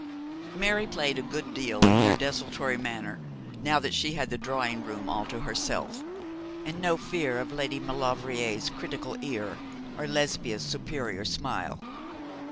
Mary played a good deal in her desultory manner, now that she had the drawing room all to herself, and no fear of Lady Maulevrier's critical ear or Lesbia's superior smile.